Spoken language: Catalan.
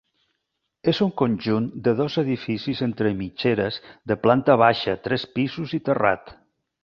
És un conjunt de dos edificis entre mitgeres de planta baixa, tres pisos i terrat.